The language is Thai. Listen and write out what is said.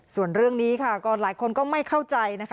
ส่วนเรื่องนี้ค่ะก็หลายคนก็ไม่เข้าใจนะคะ